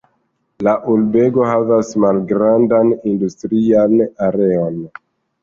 La urbego havas malgrandan industrian areon.